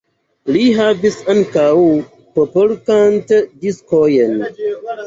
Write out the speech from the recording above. Li havis ankaŭ popolkant-diskojn.